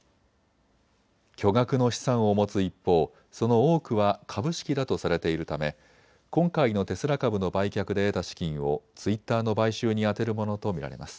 巨額の資産を持つ一方その多くは株式だとされているため、今回のテスラ株の売却で得た資金をツイッターの買収に充てるものと見られます。